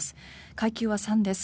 階級は３です。